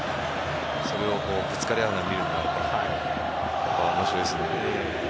それをぶつかり合うのを見るのは面白いですね。